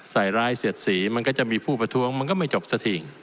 ใส่ร้ายเสียดสีมันก็จะมีผู้ประท้วงมันก็ไม่จบสักที